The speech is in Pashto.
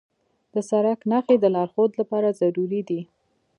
د سړک نښې د لارښود لپاره ضروري دي.